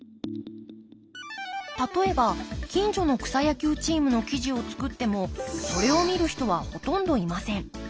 例えば近所の草野球チームの記事を作ってもそれを見る人はほとんどいません。